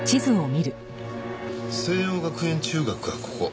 西應学園中学がここ。